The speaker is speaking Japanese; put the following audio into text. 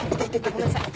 ごめんなさい。